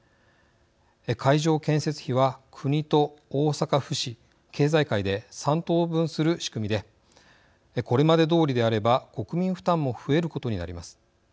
会場建設費は国と大阪府、市、経済界で３等分する仕組みでこれまでどおりであれば国民負担も増えることになります。